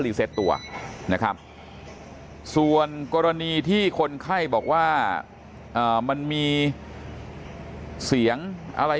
ตัวนะครับส่วนกรณีที่คนไข้บอกว่ามันมีเสียงอะไร